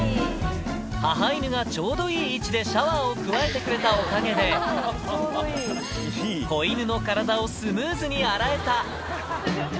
母犬がちょうどいい位置でシャワーをくわえてくれたおかげで、子犬の体をスムーズに洗えた。